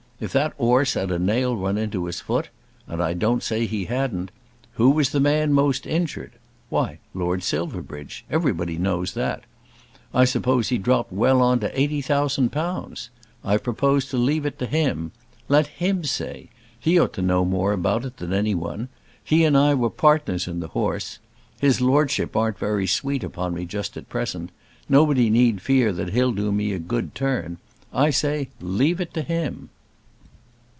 If that 'orse had a nail run into his foot, and I don't say he hadn't, who was the man most injured? Why, Lord Silverbridge. Everybody knows that. I suppose he dropped well on to eighty thousand pounds! I propose to leave it to him. Let him say. He ought to know more about it than any one. He and I were partners in the horse. His Lordship aren't very sweet upon me just at present. Nobody need fear that he'll do me a good turn. I say leave it to him."